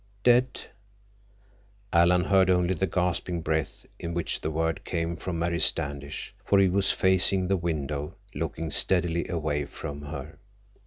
"Dead!" Alan heard only the gasping breath in which the word came from Mary Standish, for he was facing the window, looking steadily away from her.